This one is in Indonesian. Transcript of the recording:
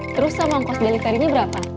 terus sama kos delik tarinya berapa